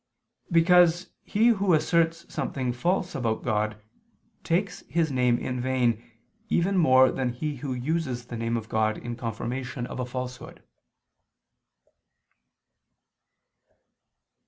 Because he who asserts something false about God, takes His name in vain even more than he who uses the name of God in confirmation of a falsehood.